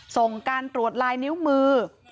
ส่งการตรวจลายนิ้วมือ